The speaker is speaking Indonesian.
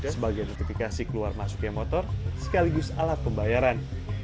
sebagai notifikasi keluar masuknya motor sekaligus alat pembayaran